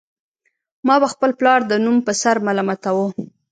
ما به خپل پلار د نوم په سر ملامتاوه